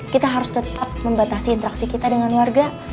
kita harus tetap membatasi interaksi kita dengan warga